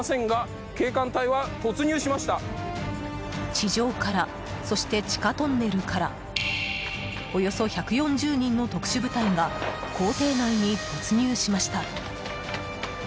地上からそして地下トンネルからおよそ１４０人の特殊部隊が公邸内に突入しました。